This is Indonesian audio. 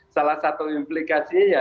salah satu implikasinya ya